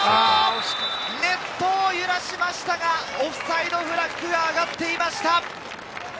ネットを揺らしましたが、オフサイドフラッグが上がっていました。